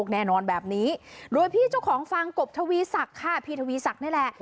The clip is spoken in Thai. แน่นอนแบบนี้โดยพี่เจ้าของฟางกบทวีศักดิ์ค่ะพี่ทวีศักดิ์นี่แหละ